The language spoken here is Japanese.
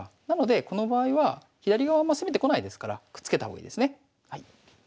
なのでこの場合は左側あんま攻めてこないですからくっつけた方がいいですね。